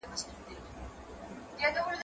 زه مخکي لوښي وچولي وو